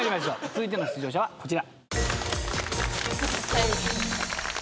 続いての出場者はこちら。